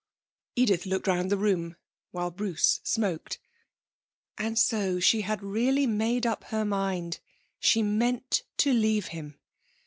Edith looked round the room, while Bruce smoked. And so she had really made up her mind! She meant to leave him!